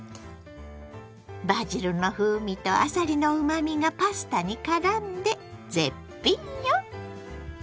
バジルの風味とあさりのうまみがパスタにからんで絶品よ！